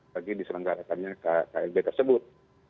bagi diselenggaratannya kub tersebut